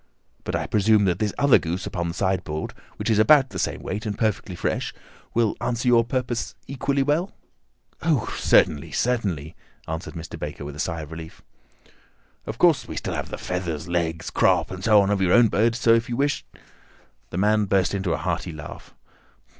But I presume that this other goose upon the sideboard, which is about the same weight and perfectly fresh, will answer your purpose equally well?" "Oh, certainly, certainly," answered Mr. Baker with a sigh of relief. "Of course, we still have the feathers, legs, crop, and so on of your own bird, so if you wish—" The man burst into a hearty laugh.